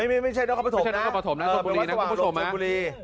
ไม่ไม่ใช่น้องข้าวประถมนะเป็นวัดสว่างหลวงชนบุรี